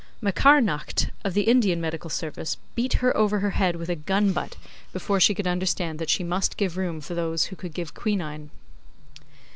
Macarnaght, of the Indian Medical Service, beat her over her head with a gun butt before she could understand that she must give room for those who could give quinine.